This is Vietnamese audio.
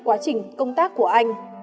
quá trình công tác của anh